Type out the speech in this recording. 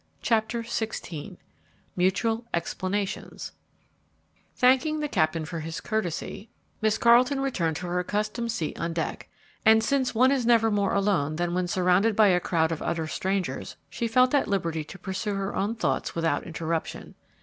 CHAPTER XVI MUTUAL EXPLANATIONS Thanking the captain for his courtesy, Miss Carleton returned to her accustomed seat on deck, and, since one is never more alone than when surrounded by a crowd of utter strangers, she felt at liberty to pursue her own thoughts without interruption.